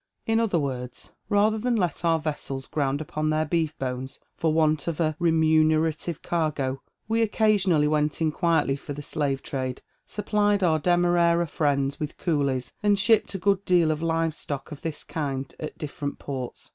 In other words, rather than let our vessels ground upon their beef bones for want of a remunerative cargo, we occasionally went in quietly for the slave trade, supplied our Demerara friends with Coolies, and shipped a good deal of live stock of this kind at different ports.